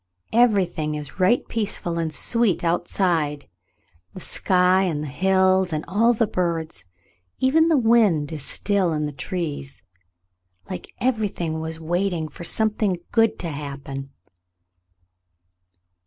Everything is right peaceful and sweet outside — the sky and the hills and all the birds — even the wind is still in the trees, like everything was waiting for some thing good to happen."